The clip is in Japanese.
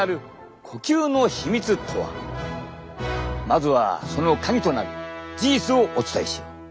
まずはそのカギとなる事実をお伝えしよう。